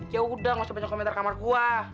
yaudah gak usah banyak komentar kamar gua